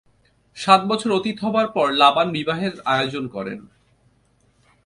সাত বছর অতীত হবার পর লাবান বিবাহের আয়োজন করেন।